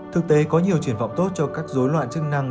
thực tế có nhiều triển vọng tốt cho các dối loạn chức năng